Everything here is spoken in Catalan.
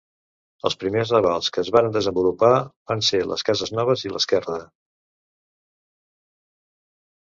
Els primers ravals que es varen desenvolupar van ser les Cases Noves i l'Esquerda.